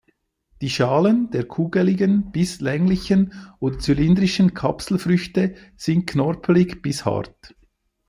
Die Schalen der kugeligen bis länglichen oder zylindrischen Kapselfrüchte sind knorpelig bis hart.